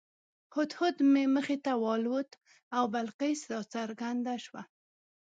هدهد مې مخې ته والوت او بلقیس راڅرګنده شوه.